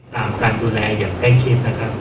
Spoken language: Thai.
การดูแลอย่างใกล้ชิดนะครับ